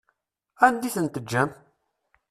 Anda i ten-teǧǧam?